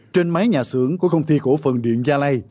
trên mái nhà xưởng của công ty cổ phần điện gia lai